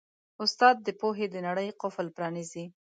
استاد د پوهې د نړۍ قفل پرانیزي.